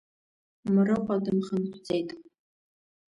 Мрыҟәа дымхынҳәӡеит.